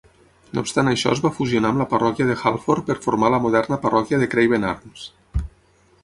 No obstant això es va fusionar amb la parròquia de Halford per formar la moderna parròquia de Craven Arms.